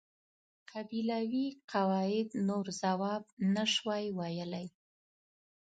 قبیلوي قواعد نور ځواب نشوای ویلای.